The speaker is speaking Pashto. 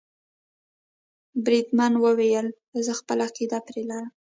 بریدمن وویل زه خپله عقیده پرې لرم.